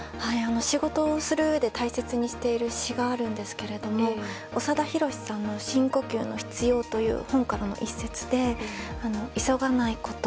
仕事をする上で大切にしている詩があるんですけど長田弘さんの「深呼吸の必要」という本からの一節で「急がないこと。